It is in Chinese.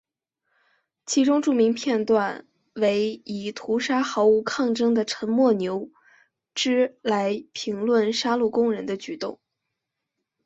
其中著名片段为以屠杀毫无抵抗的沉默牛只来评论杀戮工人的举动。